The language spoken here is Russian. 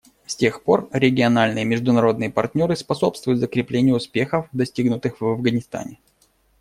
С тех пор региональные и международные партнеры способствуют закреплению успехов, достигнутых в Афганистане.